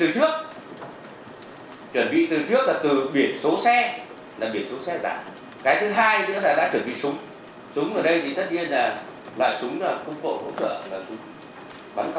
đối tượng đã chuẩn bị từ trước